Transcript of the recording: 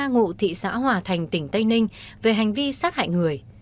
ngụ thị xã hòa thành tỉnh tây ninh về hành vi sát hại người